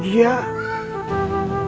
pasti sekarang sudah bahagia